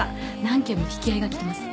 何件も引き合いが来てます。